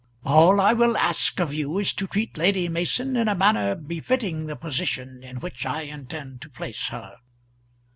All I will ask of you is to treat Lady Mason in a manner befitting the position in which I intend to place her."